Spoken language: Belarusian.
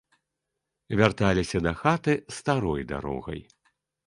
Вярталіся дахаты старой дарогай.